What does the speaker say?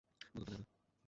বোতলটা দে তো।